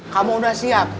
kamu udah siap